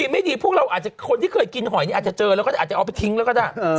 ไม่ดีพวกเราอาจจะคนที่เคยกินหอยนี่อาจจะเจอแล้วก็อาจจะเอาไปทิ้งแล้วก็ได้